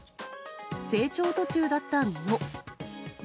成長途中だった実も。